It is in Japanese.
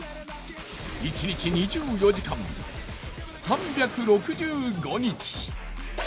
１日２４時間３６５日。